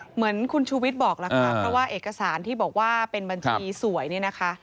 เหมือนคุณชูวิทย์บอกล่ะค่ะเพราะว่าเอกสารที่บอกว่าเป็นบัญชีสวยเนี่ยนะคะ